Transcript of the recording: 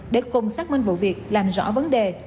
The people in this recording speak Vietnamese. để cùng xác minh vụ việc làm rõ vấn đề